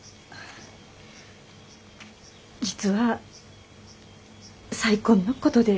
実は再婚のことで。